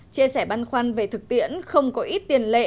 chia sẻ băn khoăn về thực tiễn không có ít tiền lệ